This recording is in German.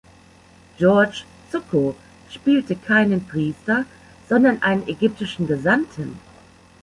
George Zucco spielte keinen Priester, sondern einen ägyptischen Gesandten.